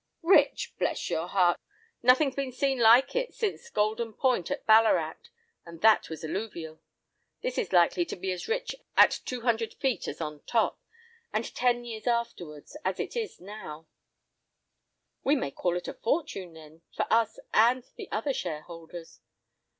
"Rich! bless your heart, nothing's been seen like it since Golden Point at Ballarat, and that was alluvial. This is likely to be as rich at 200 feet as on top—and ten years afterwards—as it is now." "We may call it a fortune, then, for us and the other shareholders."